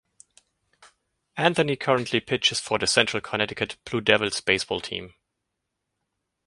Anthony currently pitches for the Central Connecticut Blue Devils baseball team.